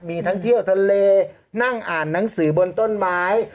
มีทั้งเที่ยวทะเลนั่งอ่านหนังสือบนต้นไม้